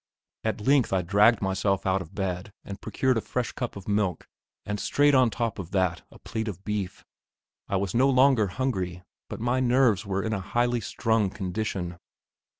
At length I dragged myself out of bed and procured a fresh cup of milk, and straight on top of that a plate of beef. I was no longer hungry, but my nerves were in a highly strung condition.